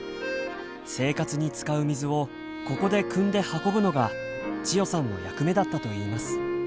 生活に使う水をここでくんで運ぶのが千代さんの役目だったといいます。